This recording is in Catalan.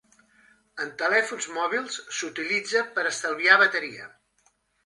En telèfons mòbils, s'utilitza per estalviar bateria.